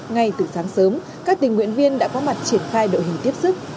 ngay từ sáng sớm các tình nguyện viên đã có mặt triển khai đội hình tiếp sức